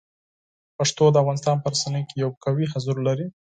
پښتو د افغانستان په رسنیو کې یو قوي حضور لري.